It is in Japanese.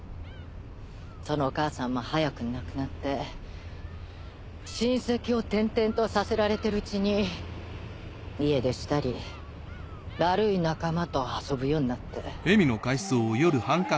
そのお母さんも早くに亡くなって親戚を転々とさせられてるうちに家出したり悪い仲間と遊ぶようになって。